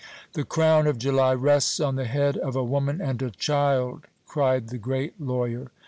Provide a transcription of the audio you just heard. "The crown of July rests on the head of a woman and a child!" cried the great lawyer.